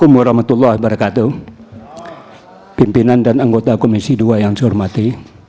pimpinan dan anggota komisi dua yang saya hormati